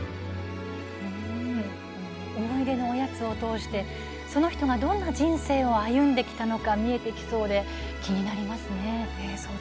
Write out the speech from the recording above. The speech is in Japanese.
思い出のおやつを通してその人がどんな人生を歩んできたのか見えてきそうで気になりますね。